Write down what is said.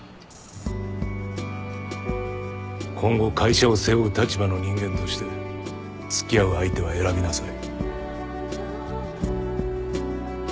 今後会社を背負う立場の人間として付き合う相手は選びなさい。